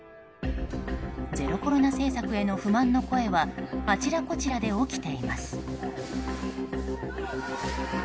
ゼロコロナ政策への不満の声はあちらこちらで起きています。